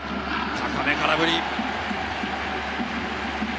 高め、空振り。